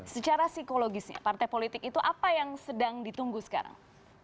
secara psikologisnya partai politik itu apa yang sedang ditunggu sekarang